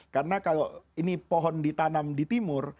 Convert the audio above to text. karena kalau ini pohon ditanam di timur